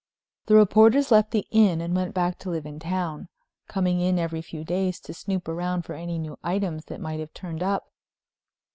The reporters left the Inn and went back to live in town, coming in every few days to snoop around for any new items that might have turned up.